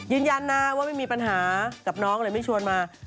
ยืนยันนะว่าไม่มีปัญหากับน้องเลยไม่ชวนมา